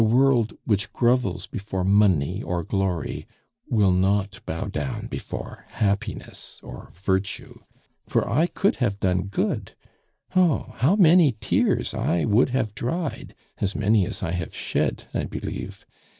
The world, which grovels before money or glory, will not bow down before happiness or virtue for I could have done good. Oh! how many tears I would have dried as many as I have shed I believe!